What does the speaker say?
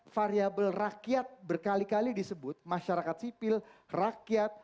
variabel rakyat berkali kali disebut masyarakat sipil rakyat